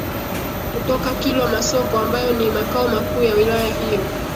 kutoka Kilwa Masoko ambayo ni makao makuu ya wilaya hiyo